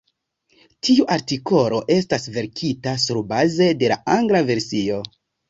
Tiu artikolo estas verkita surbaze de la angla versio.